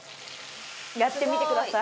やってみてください。